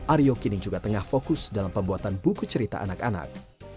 aryo kini juga tengah fokus dalam pembuatan buku cerita anak anak